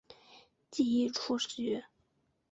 记一出局。